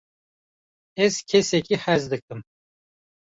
ez kesekî hez dikim